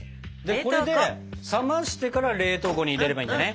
冷ましてから冷凍庫に入れればいいんだね？